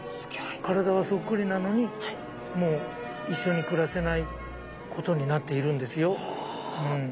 体はそっくりなのにもう一緒に暮らせないことになっているんですよ。